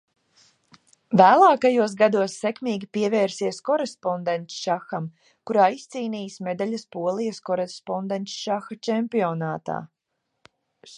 Vēlākajos gados sekmīgi pievērsies korespondencšaham, kurā izcīnījis medaļas Polijas korespondencšaha čempionātā.